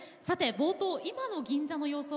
冒頭、今の銀座の様子